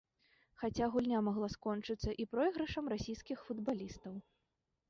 Хаця гульня магла скончыцца і пройгрышам расійскіх футбалістаў.